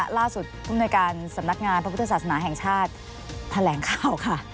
ผู้มนวยการสำนักงานพระพุทธศาสนาแห่งชาติแถลงข่าวค่ะ